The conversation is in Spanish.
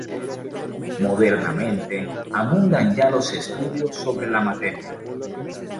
Modernamente abundan ya los estudios sobre la materia.